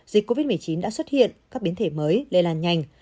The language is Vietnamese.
dịch covid một mươi chín đã xuất hiện các biến thể mới lây lan nhanh